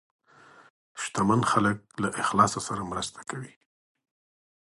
شتمن خلک له اخلاص سره مرسته کوي.